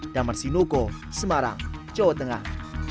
damar sinuko semarang jawa tengah